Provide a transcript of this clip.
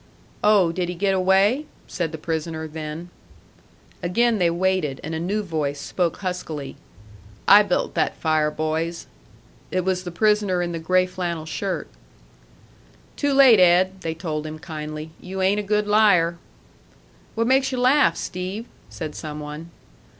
"Oh, did he get away?" said the prisoner, then. Again they waited; and a new voice spoke huskily: "I built that fire, boys." It was the prisoner in the gray flannel shirt. "Too late, Ed," they told him kindly. "You ain't a good liar." "What makes you laugh, Steve?" said some one.